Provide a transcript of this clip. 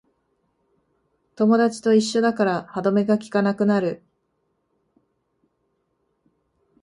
友達と一緒だから歯止めがきかなくなる